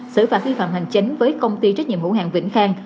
xử phạt vi phạm hành chánh với công ty trách nhiệm hữu hạng vĩnh khang